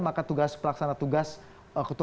maka tugas pelaksana tugas ketua umum otomatis ditutup